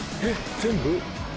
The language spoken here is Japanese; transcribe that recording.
全部！？